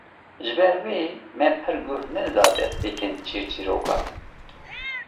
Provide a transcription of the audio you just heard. Ji ber wê me pir goh nedida destpêkên çîrçîrokan